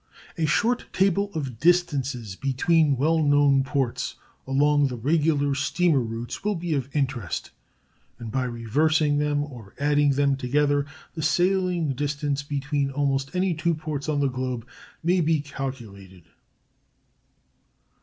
A short table of distances between well known ports along regular steamer routes will be of interest; and by reversing them, or adding them together, the sailing distance between almost any two ports on the globe may be calculated.